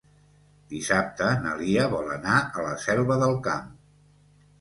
Dissabte na Lia vol anar a la Selva del Camp.